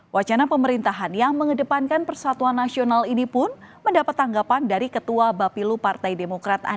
wacana pemerintahan yang mengedepankan persatuan nasional ini pun mendapat tanggapan dari ketua bapilu partai demokrat